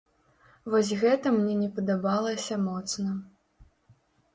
Вось гэта мне не падабалася моцна.